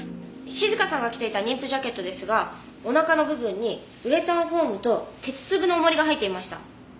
静香さんが着ていた妊婦ジャケットですがお腹の部分にウレタンフォームと鉄粒の重りが入っていました。